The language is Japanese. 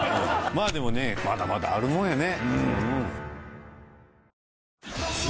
まあでもねまだまだあるもんやね。